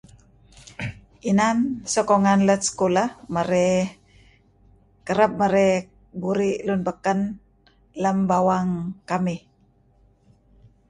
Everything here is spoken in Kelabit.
Inan sokongan let sekulah merey... kereb merey buri' lun beken lem bawang kaminh.